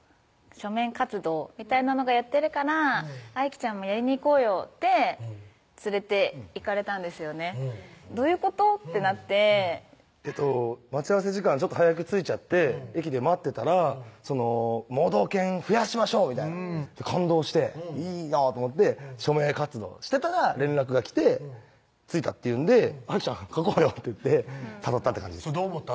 署名活動みたいなのがやってるから「愛生ちゃんもやりにいこうよ」と連れていかれたんですよねどういうこと？ってなってえっと待ち合わせ時間ちょっと早く着いちゃって駅で待ってたら「盲導犬増やしましょう」みたいな感動していいなぁと思って署名活動してたら連絡が来て「着いた」って言うんで「愛生ちゃん書こうよ」って言って誘ったって感じですどう思った？